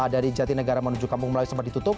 dari jati negara menuju kampung melayu sempat ditutup